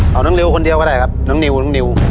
เอาน้องริวคนเดียวก็ได้ครับน้องนิวน้องนิว